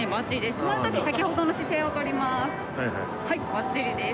止まる時先ほどの姿勢を取ります。